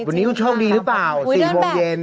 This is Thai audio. วันนี้คุณโชคดีหรือเปล่า๔โมงเย็น